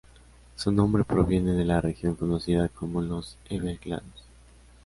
Su nombre proviene de la región conocida como los Everglades.